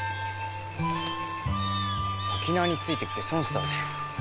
沖縄についてきて損したぜ。